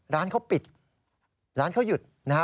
ร้านเขาปิดร้านเขาหยุดนะฮะ